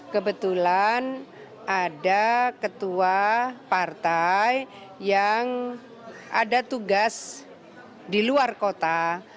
kebetulan ada ketua partai yang ada tugas di luar kota